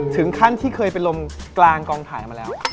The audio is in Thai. ถึงขั้นที่เคยเป็นลมกลางกองถ่ายมาแล้ว